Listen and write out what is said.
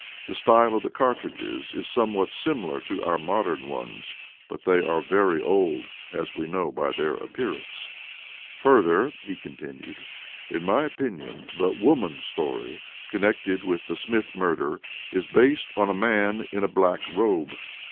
The style of the cartridges is somewhat similar to our modern ones, but they are very old, as we know by their appearance. "Further," he continued, "in my opinion the 'woman story' connected with the Smith murder is based on a man in a black robe.